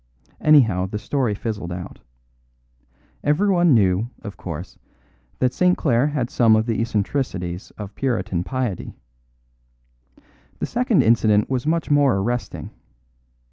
"Anyhow, the story fizzled out. Everyone knew, of course, that St. Clare had some of the eccentricities of puritan piety. The second incident was much more arresting.